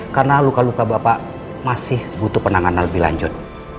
karena luka luka bapak masih butuh penanganan lebih lanjut